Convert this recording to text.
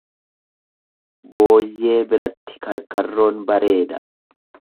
Booyyee biratti karkarroon bareeda.